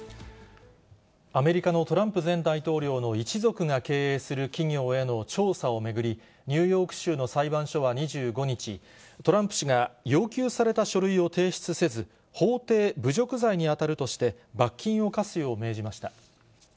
アメリカのトランプ前大統領の一族が経営する企業への調査を巡り、ニューヨーク州の裁判所は２５日、トランプ氏が要求された書類を提出せず、法廷侮辱罪に当たるとして、罰金を科すよう命じました。